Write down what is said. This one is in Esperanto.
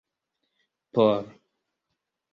por